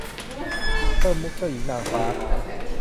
เพิ่มมุขเจ้าหญิงนางฟ้า